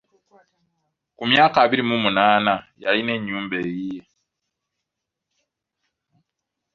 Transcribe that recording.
Ku myaka abiri mu munaana yalina ennyumba eyiye.